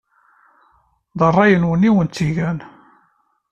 D ṛṛay-nwen i awen-tt-igan.